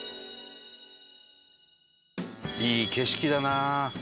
いい景色だなあ。